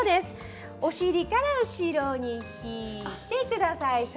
後ろから後ろに引いてください。